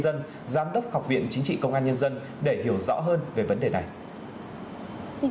dân giám đốc học viện chính trị công an nhân dân để hiểu rõ hơn về vấn đề này